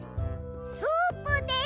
スープです！